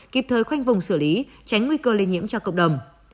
kịp thời khoanh vùng xử lý tránh nguy cơ lây nhiễm cho cộng đồng